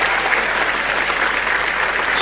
saya tidak menyerah